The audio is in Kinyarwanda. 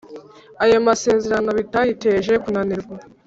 Ayo masezerano bitayiteje kunanirwa